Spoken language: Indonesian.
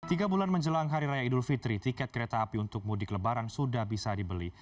tiga bulan menjelang hari raya idul fitri tiket kereta api untuk mudik lebaran sudah bisa dibeli